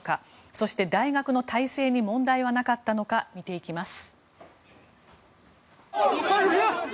そして、大学の体制に問題はなかったのか見ていきます。